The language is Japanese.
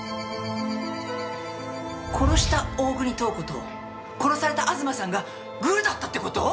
殺した大國塔子と殺された東さんがグルだったって事！？